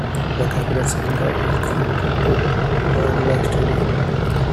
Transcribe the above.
The Capital Center is connected to Bernlor Stadium.